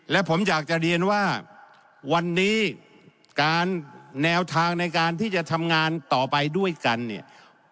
และผมอยากจะเรียนว่าวันนี้การแนวทางในการที่จะทำงานต่อไปด้วยกันเนี่ย